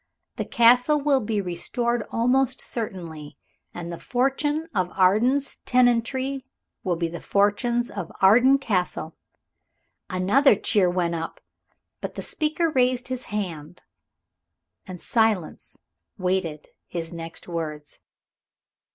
The Castle will be restored almost certainly. And the fortunes of Arden's tenantry will be the fortunes of Arden Castle." Another cheer went up. But the speaker raised his hand, and silence waited his next words.